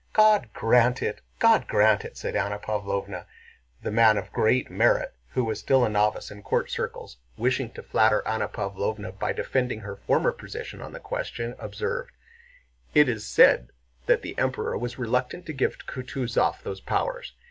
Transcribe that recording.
"God grant it! God grant it!" said Anna Pávlovna. The "man of great merit," who was still a novice in court circles, wishing to flatter Anna Pávlovna by defending her former position on this question, observed: "It is said that the Emperor was reluctant to give Kutúzov those powers.